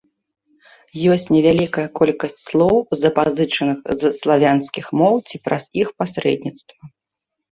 Ёсць невялікая колькасць слоў, запазычаных з славянскіх моў ці праз іх пасрэдніцтва.